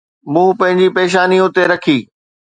مون پنهنجي پيشاني اتي رکي.